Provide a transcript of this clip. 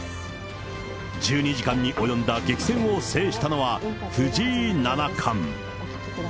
１２時間に及んだ激戦を制したのは、藤井七冠。